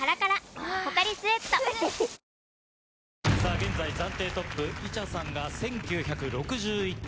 現在暫定トップイチャさんが１９６１点。